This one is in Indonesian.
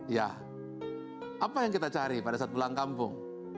ya apa yang kita cari pada saat pulang kampung